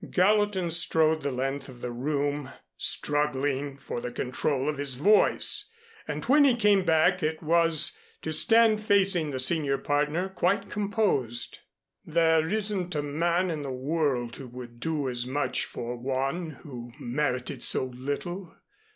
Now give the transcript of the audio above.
Gallatin strode the length of the room, struggling for the control of his voice, and when he came back it was to stand facing the senior partner quite composed. "There isn't a man in the world who would do as much for one who merited so little.